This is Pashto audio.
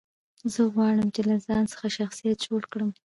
زه غواړم، چي له ځان څخه شخصیت جوړ کړم.